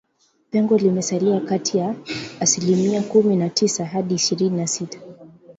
Pengo limesalia kati ya asilimia kumi na tisa hadi ishirini na sita